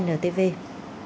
phun thuốc trong từng toa xe